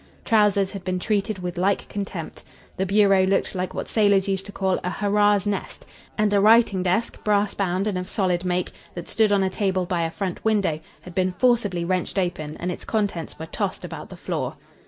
Trousers had been treated with like contempt. The bureau looked like what sailors used to call a "hurrah's nest," and a writing desk, brass bound and of solid make, that stood on a table by a front window, had been forcibly wrenched open, and its contents were tossed about the floor.